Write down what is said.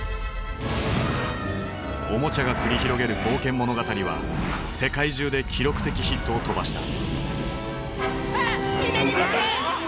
おもちゃが繰り広げる冒険物語は世界中で記録的ヒットを飛ばした。